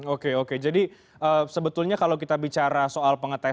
oke oke jadi sebetulnya kalau kita bicara soal pengetahuan